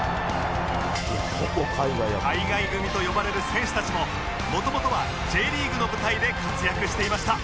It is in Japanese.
海外組と呼ばれる選手たちも元々は Ｊ リーグの舞台で活躍していました